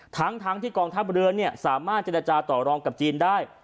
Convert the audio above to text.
ทั้งที่กองทัพเรือสามารถเจรจาต่อรองกับจีนได้